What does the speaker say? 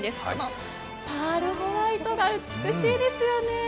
このパールホワイトが美しいですよね。